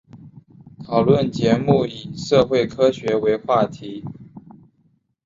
讨论节目以社会科学为话题。